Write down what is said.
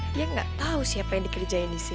dia gak tau siapa yang dikerjain disini